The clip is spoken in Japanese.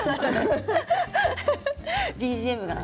ＢＧＭが。